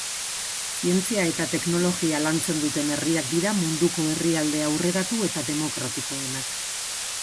Zientzia eta teknologia lantzen duten herriak dira munduko herrialde aurreratu eta demokartikoenak.